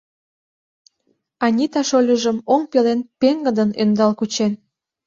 Анита шольыжым оҥ пелен пеҥгыдын ӧндал кучен.